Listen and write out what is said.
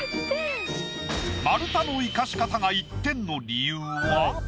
丸太の生かし方が１点の理由は？